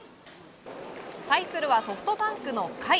対するは、ソフトバンクの甲斐。